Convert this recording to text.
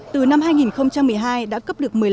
từ năm hai nghìn một mươi hai đã cấp được